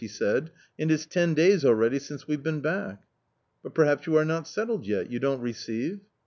" he said, " and it's ten days already since we've been back." " But perhaps you are not settled yet — you don't receive